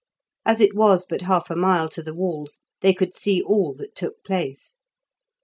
As it was but half a mile to the walls they could see all that took place.